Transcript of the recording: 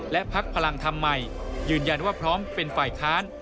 และพักพลังธรรมใหม่ยืนยันว่าพร้อมเป็นฝ่ายค้าน